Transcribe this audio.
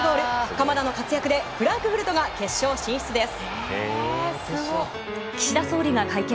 鎌田の活躍でフランクフルトが決勝進出です。